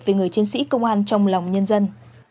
về người chiến sĩ công an trong lòng nhân dân